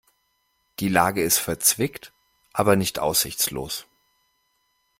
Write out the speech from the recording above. Die Lage ist verzwickt aber nicht aussichtslos.